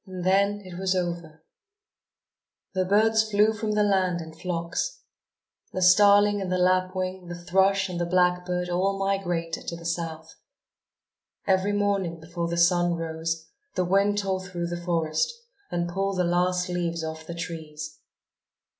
And then it was over. The birds flew from the land in flocks. The starling and the lapwing, the thrush and the blackbird all migrated to the south. Every morning before the sun rose the wind tore through the forest, and pulled the last leaves off the trees.